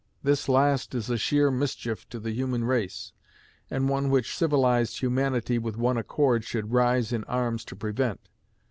This last is a sheer mischief to the human race, and one which civilized humanity with one accord should rise in arms to prevent.